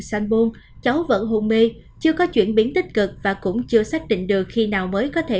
sanbul cháu vẫn hồn mê chưa có chuyển biến tích cực và cũng chưa xác định được khi nào mới có thể